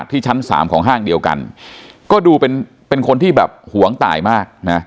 ที่ชั้น๓ของห้างเดียวกันก็ดูเป็นคนที่หวงตายมาก